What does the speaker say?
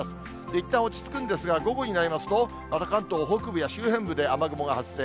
いったん落ち着くんですが、午後になりますと、また関東北部や周辺部で雨雲が発生。